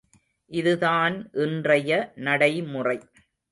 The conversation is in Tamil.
இதுதான் இன்றைய நடைமுறை.